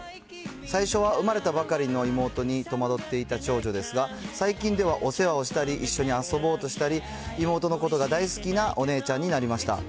最初は生まれたばかりの妹に戸惑っていた長女ですが、最近ではお世話をしたり、一緒に遊ぼうとしたり、妹のことが大好きなお姉ちゃんになりました。